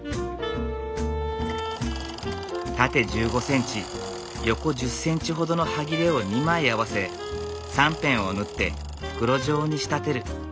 縦１５センチ横１０センチほどのはぎれを２枚合わせ３辺を縫って袋状に仕立てる。